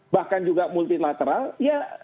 bahkan juga multilateral ya